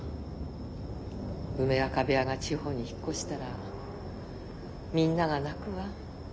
梅若部屋が地方に引っ越したらみんなが泣くわ。